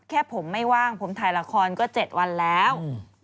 แค่ผมไม่ว่างผมถ่ายละครก็๗วันแล้ว